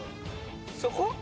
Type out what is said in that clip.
そこ？